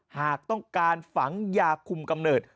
หากต้องการฝังยาคุมกำเนิด